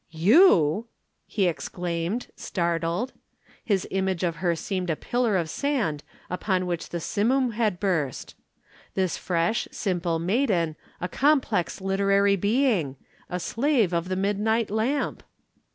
"You!" he exclaimed, startled. His image of her seemed a pillar of sand upon which the simoom had burst. This fresh, simple maiden a complex literary being, a slave of the midnight lamp.